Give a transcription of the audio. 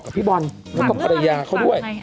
พี่บอลแล้วก็ภรรยาเขาด้วย